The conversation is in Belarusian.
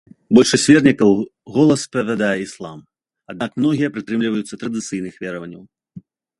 Большасць вернікаў гола спавядае іслам, аднак многія прытрымліваюцца традыцыйных вераванняў.